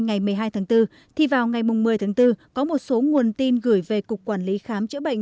ngày một mươi hai tháng bốn thì vào ngày một mươi tháng bốn có một số nguồn tin gửi về cục quản lý khám chữa bệnh